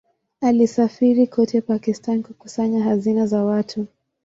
Alisafiri kote Pakistan kukusanya hazina za watu.